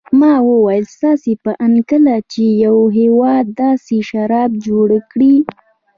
ما وویل: ستاسې په اند کله چې یو هېواد داسې شراب جوړ کړي.